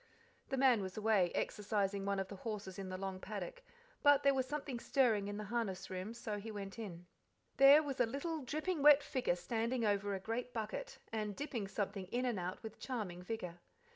The man was away, exercising one of the horses in the long paddock; but there was something stirring in the harness room, so he went in. There was a little, dripping wet figure standing over a great bucket, and dipping something in and out with charming vigour.